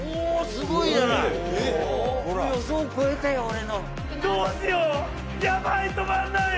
すごいじゃない！」